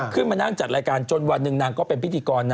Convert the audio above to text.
ขึ้นมานั่งจัดรายการจนวันหนึ่งนางก็เป็นพิธีกรนะ